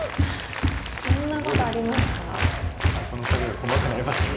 やっぱりこの２人は細かくなります。